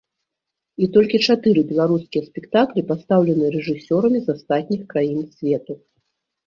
І толькі чатыры беларускія спектаклі пастаўлены рэжысёрамі з астатніх краін свету.